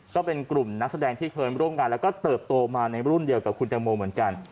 ก็เป็นกลุ่มนักแสดงที่เคยร่วมงานแล้วก็เติบโตมาในรุ่นเดียวกับคุณแตงโมเหมือนกัน